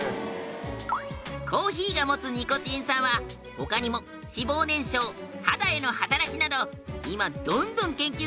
コーヒーが持つニコチン酸は他にも脂肪燃焼肌への働きなど今どんどん研究が進められている成分なんだぞ。